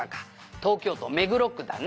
東京都目黒区だな」